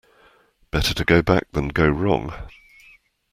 Better to go back than go wrong.